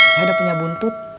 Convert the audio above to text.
saya udah punya buntut